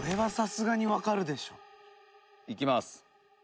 「いきます。